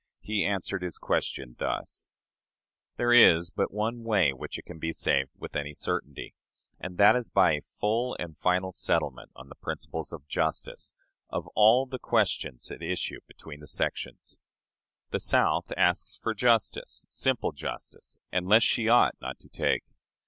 He answered his question thus: "There is but one way by which it can be [saved] with any certainty; and that is by a full and final settlement, on the principles of justice, of all the questions at issue between the sections. The South asks for justice simple justice and less she ought not to take.